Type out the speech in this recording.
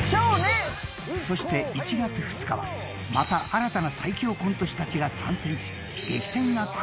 ［そして１月２日はまた新たな最強コント師たちが参戦し激戦が繰り広げられる］